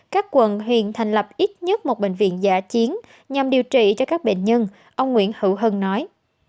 các quận huyện thành lập ít nhất một bệnh viện giả chiến nhằm điều trị cho các bệnh nhân ông nguyễn hữu hưng nói